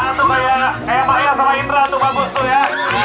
nah tuh kayak maria sama indra tuh bagus tuh ya